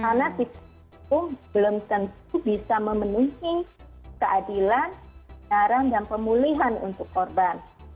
karena kita belum tentu bisa memenuhi keadilan naran dan pemulihan untuk korban